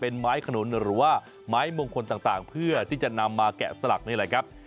เป็นไม้ขนุนหรือว่าไม้มงคลต่างเพื่อที่จะนำมาแกะสลักนี่แหละครับ